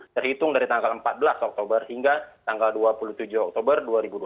terhitung dari tanggal empat belas oktober hingga tanggal dua puluh tujuh oktober dua ribu dua puluh